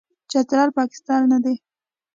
چترال، پاکستان نه دی.